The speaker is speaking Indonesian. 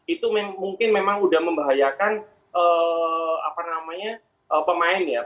itu mungkin memang sudah membahayakan pemain ya